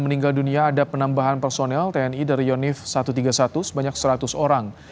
dan meninggal dunia ada penambahan personel tni dari yonif satu ratus tiga puluh satu sebanyak seratus orang